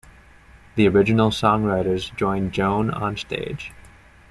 The original songwriters join Joan on stage.